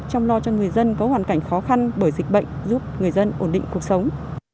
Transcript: chăm lo cho người dân có hoàn cảnh khó khăn bởi dịch bệnh giúp người dân ổn định cuộc sống